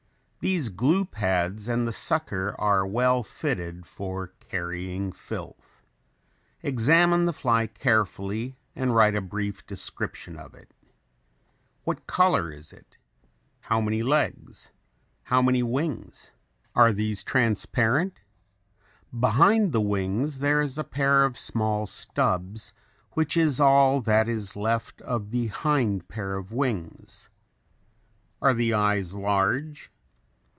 These glue pads and the sucker are well fitted for carrying filth. Examine the fly carefully and write a brief description of it. What color is it? How many legs? How many wings? Are these transparent? Behind the wings there is a pair of small stubs which is all that is left of the hind pair of wings. Are the eyes large?